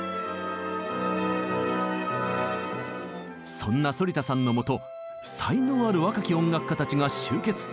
そんな反田さんのもと才能ある若き音楽家たちが集結。